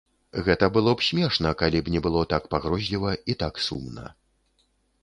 Гэта было б смешна, калі б не было так пагрозліва і так сумна.